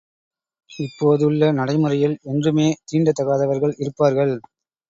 இப்போதுள்ள நடை முறையில் என்றுமே தீண்டத்தகாதவர்கள் இருப்பார்கள்.